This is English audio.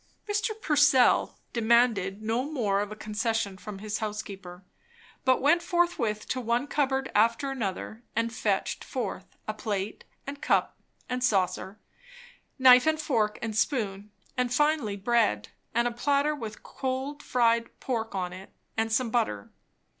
Mr. Purcell demanded no more of a concession from his housekeeper, but went forthwith to one cupboard after another and fetched forth a plate and cup and saucer, knife and fork and spoon, and finally bread, a platter with cold fried pork on it, and some butter.